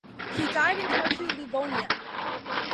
He died in Tartu, Livonia.